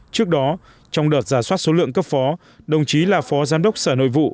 trước đó trong đợt giả soát số lượng cấp phó đồng chí là phó giám đốc sở nội vụ